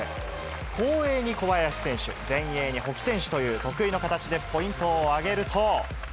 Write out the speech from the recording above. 後衛に小林選手、前衛に保木選手という得意の形でポイントを挙げると。